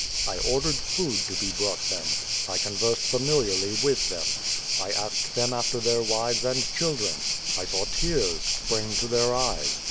I ordered food to be brought them. I conversed familiarly with them. I asked them after their wives and children. I saw tears spring to their eyes.